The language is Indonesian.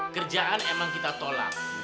kerjaan emang kita tolak